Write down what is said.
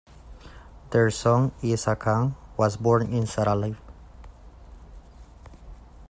Their son, Isa Khan, was born in Sarail.